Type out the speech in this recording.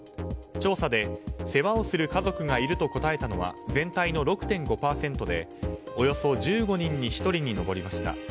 調査で、世話をする家族がいると答えたのは全体の６．５％でおよそ１５人に１人に上りました。